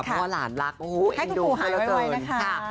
เพราะว่าหลานรักโอ้โหเอ็นดูหายไวนะคะ